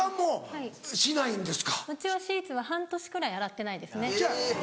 うちはシーツは半年くらい洗ってないですね。